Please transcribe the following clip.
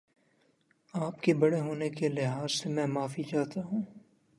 آپ کے بڑے ہونے کے لحاظ سے میں معافی چاہتا ہوں